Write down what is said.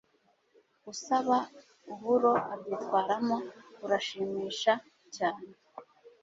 usaba uburo abyitwaramo burashimisha cyane